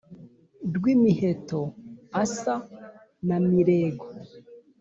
rwimiheto asa na mirego.